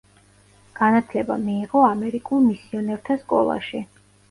განათლება მიიღო ამერიკულ მისიონერთა სკოლაში.